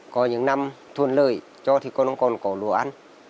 có những năm thuận lợi cho thì con ông còn có lúa ăn